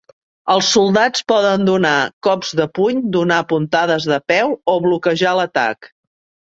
Els soldats poden donar cops de puny, donar puntades de peu o bloquejar l'atac.